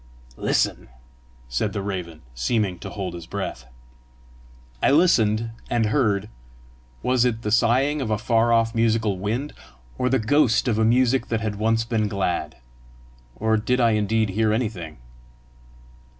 "Listen!" said the raven, seeming to hold his breath. I listened, and heard was it the sighing of a far off musical wind or the ghost of a music that had once been glad? Or did I indeed hear anything?